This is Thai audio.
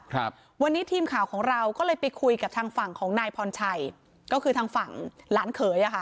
ครับวันนี้ทีมข่าวของเราก็เลยไปคุยกับทางฝั่งของนายพรชัยก็คือทางฝั่งหลานเขยอ่ะค่ะ